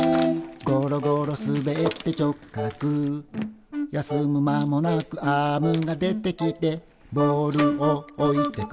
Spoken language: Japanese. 「ごろごろすべって直角」「休む間もなくアームが出てきて」「ボールをおいてく」